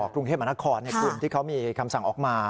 กรุงเทพมหานครกลุ่มที่เขามีคำสั่งออกมา